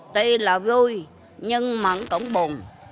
tuy là vui nhưng mà cũng buồn